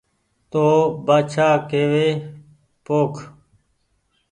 تو بآڇآڪيوي پوک